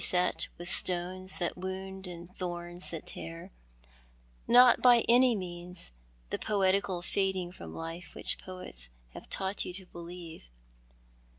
et with stones that wound and thorns that tear— not by any means the poetical fading from life which poets have taught you to believe.